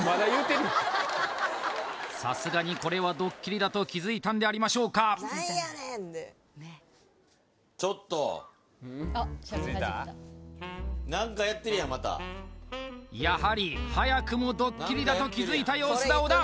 さすがにこれはドッキリだと気づいたんでありましょうかちょっと何かやってるやんまたやはり早くもドッキリだと気づいた様子だ